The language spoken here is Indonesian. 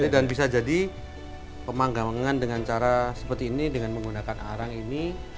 dan bisa jadi pemanggangan dengan cara seperti ini dengan menggunakan arang ini